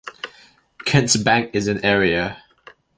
Kents Bank is in area.